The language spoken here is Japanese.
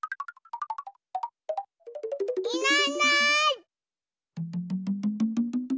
いないいない。